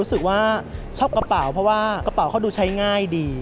รู้สึกว่าชอบกระเป๋าเพราะว่ากระเป๋าก็ดูใช้ง่ายดี